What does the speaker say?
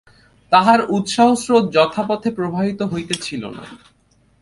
তাঁহার উৎসাহস্রোত যথাপথে প্রবাহিত হইতেছিল না।